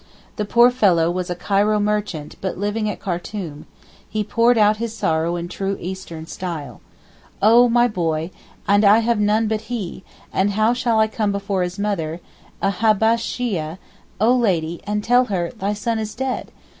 The poor fellow was a Cairo merchant but living at Khartoum, he poured out his sorrow in true Eastern style. 'Oh my boy, and I have none but he, and how shall I come before his mother, a Habbesheeyeh, oh Lady, and tell her "thy son is dead"?